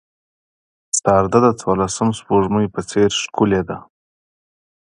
سارده د څوارلسم سپوږمۍ په څېر ښکلې ده.